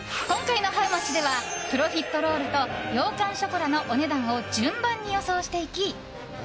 今回のハウマッチではプロフィットロールと羊羹ショコラのお値段を順番に予想していき